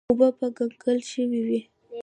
اوبه به کنګل شوې وې.